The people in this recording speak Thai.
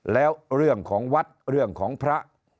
แล้วเรื่องของวัดเรื่องของพระ